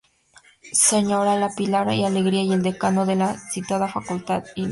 Sra.- Dª Pilar Alegría, y el Decano de la citada Facultad, Ilmo.